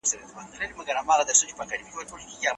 پخوا د خلکو تر منځ تفاهم سخت نه وو.